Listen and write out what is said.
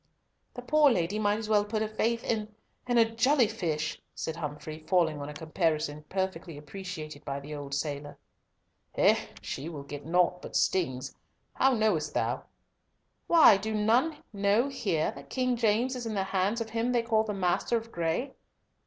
"The poor lady might as well put her faith in—in a jelly fish," said Humfrey, falling on a comparison perfectly appreciated by the old sailor. "Heh? She will get naught but stings. How knowest thou?" "Why, do none know here that King James is in the hands of him they call the Master of Gray?"